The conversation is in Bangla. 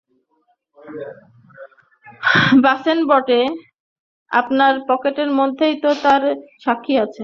বাসেন বটে, আপনার পকেটের মধ্যেই তো তার সাক্ষী আছে।